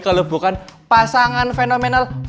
mas jangan saran nak nunggu lagi